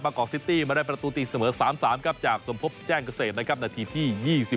กอกซิตี้มาได้ประตูตีเสมอ๓๓ครับจากสมพบแจ้งเกษตรนะครับนาทีที่๒๔